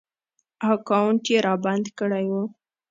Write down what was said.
اکاونټ ېې رابند کړی و